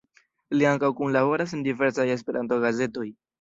Lia ankaŭ kunlaboras en diversaj Esperanto-gazetoj.